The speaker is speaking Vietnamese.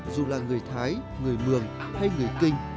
dù là người thái người mường hay người kinh